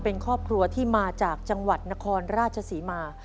เป็นครอบครัวที่มาจากจังหวัดนครราชศรีมา